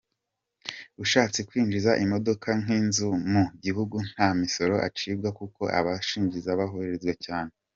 Ushatse kwinjiza imodoka nk’izi mu gihugu nta misoro acibwa kuko abazinjiza boroherezwa cyane.